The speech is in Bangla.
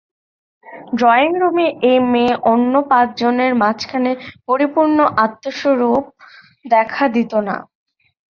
ড্রয়িংরুমে এ মেয়ে অন্য পাঁচজনের মাঝখানে পরিপূর্ণ আত্মস্বরূপে দেখা দিত না।